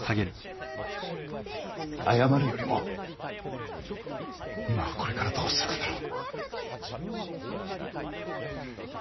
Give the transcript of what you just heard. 謝るよりも今はこれからどうするかだろ。